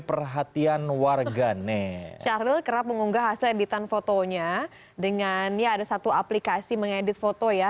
perhatian warganya kerap mengunggah hasil editan fotonya dengan ada satu aplikasi mengedit foto ya